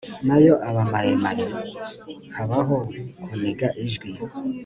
nayo aba maremare, habaho kuniga ijwi